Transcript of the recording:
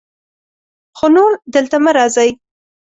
خو نور دلته مه راځئ.